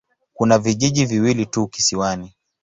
Kuna vijiji viwili tu kisiwani.